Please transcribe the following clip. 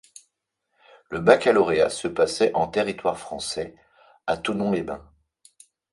Le baccalauréat se passait en territoire français, à Thonon les Bains.